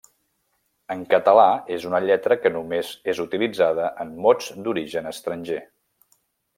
En català és una lletra que només és utilitzada en mots d'origen estranger.